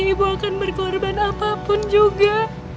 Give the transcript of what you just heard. ibu akan berkorban apapun juga